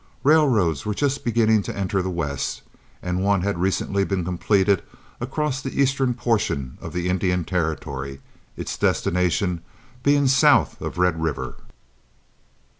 Railroads were just beginning to enter the West, and one had recently been completed across the eastern portion of the Indian Territory, its destination being south of Red River.